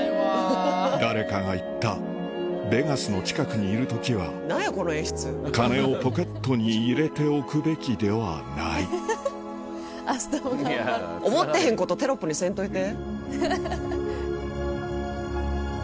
誰かが言ったベガスの近くにいる時は金をポケットに入れておくべきではない思ってへんことテロップにせんといて。